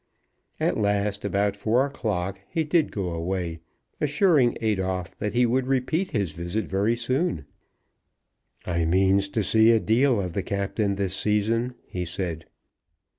At last, about four o'clock, he did go away, assuring Adolphe that he would repeat his visit very soon. "I means to see a deal of the Captain this season," he said.